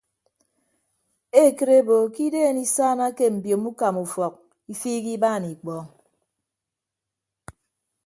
Ekịt ebo ke ideen isaanake mbiomo ukama ufọk ifiik ibaan ikpọọñ.